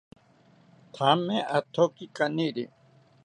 Thame athoki kaniri